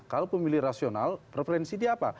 kalau pemilih rasional preferensi dia apa